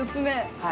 はい。